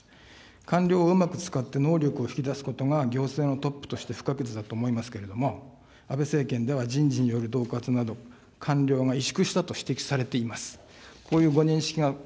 官僚をうまく使って能力を引き出すことが行政のトップとして不可欠だと思いますけれども、安倍政権では人事によるどう喝など、官僚が委縮したと指摘されています。